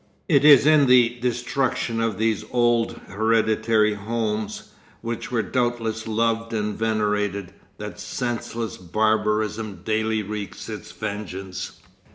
It is in the destruction of these old hereditary homes, which were doubtless loved and venerated, that senseless barbarism daily wreaks its vengeance.